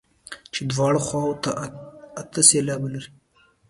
چې دواړو خواوو ته اته سېلابه لري.